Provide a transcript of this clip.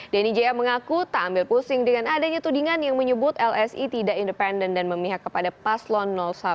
denny jaya mengaku tak ambil pusing dengan adanya tudingan yang menyebut lsi tidak independen dan memihak kepada paslon satu